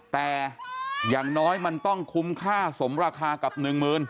แต่อย่างน้อยมันต้องคุ้มค่าสมราคากับหนึ่งหมื่น